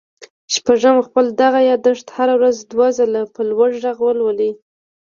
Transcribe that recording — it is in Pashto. شپږم خپل دغه ياداښت هره ورځ دوه ځله په لوړ غږ ولولئ.